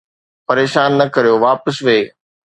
پريشان نه ڪريو، واپس ويھ